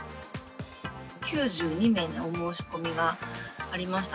９２名のお申し込みがありました。